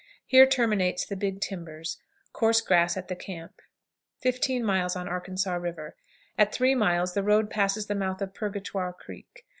Here terminates the "Big Timbers." Coarse grass at the camp. 15. Arkansas River. At three miles the road passes the mouth of Purgatoire Creek.